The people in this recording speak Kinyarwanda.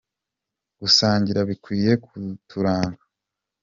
gusangira bikwiye kuturanga.